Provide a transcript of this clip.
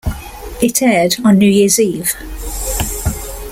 It aired on New Year's Eve.